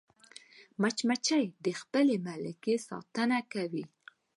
مچمچۍ د خپل ملکې ساتنه کوي